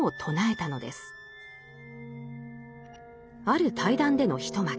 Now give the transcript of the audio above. ある対談での一幕。